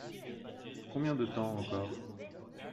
Combien de temps encore ?